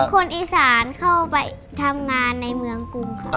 คนอีสานเข้าไปทำงานในเมืองกรุงค่ะ